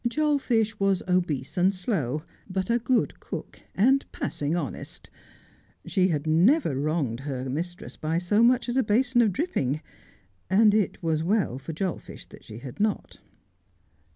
Jolfish was obese and slow, but a good cook, and passing honest. She had never wronged her mistress by so much as a basin of dripping, and it was well for Jolfish that she had not.